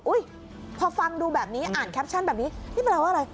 พอฟังดูแบบนี้อ่านแคปชั่นแบบนี้นี่แปลว่าอะไร